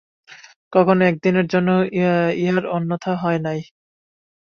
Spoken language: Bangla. কখনো এক দিনের জন্য ইহার অন্যথা হয় নাই।